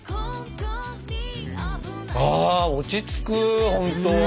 あ落ち着くほんと。